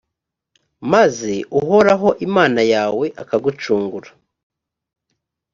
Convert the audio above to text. maze uhoraho imana yawe akagucungura;